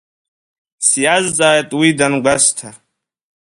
Сиазҵааит уи дангәасҭа.